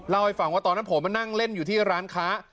เล่าให้ฟังว่าตอนนั้นผมมานั่งเล่นอยู่ที่ร้านค้า